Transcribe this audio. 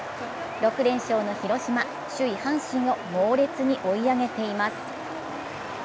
６連勝の広島、首位・阪神を猛烈に追い上げています。